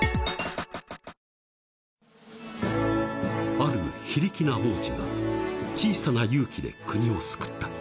［ある非力な王子が小さな勇気で国を救った］